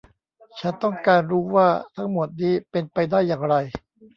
ฉันต้องการรู้ว่าทั้งหมดนี้เป็นไปได้อย่างไร